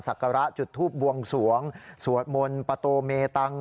สักกระจุดทูปบวงสวงสวดมนต์ปโตเมตัง